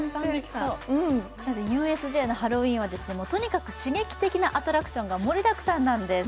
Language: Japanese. ＵＳＪのハロウィーンはとにかく刺激的なアトラクションが盛りだくさんなんです。